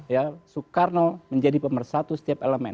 ya soekarno menjadi pemersatu setiap elemen